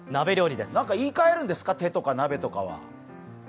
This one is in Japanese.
何か言い換えるんですか、手とか鍋とかは。